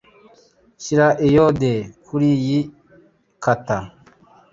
Shyira iyode kuriyi kata.